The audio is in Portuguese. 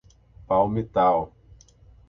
Palmital